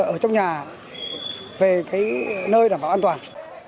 ở trong nhà về cái nơi đảm bảo an toàn